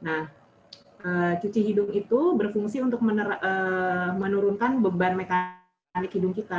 nah cuci hidung itu berfungsi untuk menurunkan beban mekanik hidung kita